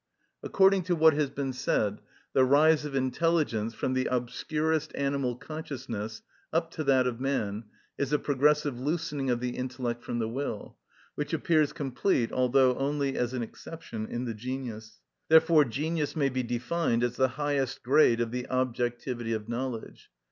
According to what has been said, the rise of intelligence, from the obscurest animal consciousness up to that of man, is a progressive loosening of the intellect from the will, which appears complete, although only as an exception, in the genius. Therefore genius may be defined as the highest grade of the objectivity of knowledge.